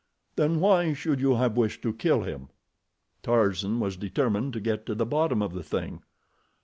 "Then why should you have wished to kill him?" Tarzan was determined to get to the bottom of the thing.